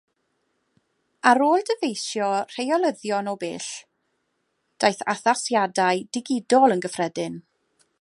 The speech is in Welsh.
Ar ôl dyfeisio rheolyddion o bell, daeth addasiadau digidol yn gyffredin.